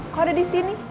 kok ada di sini